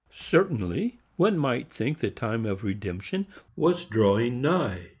Certainly one might think the time of redemption was drawing nigh.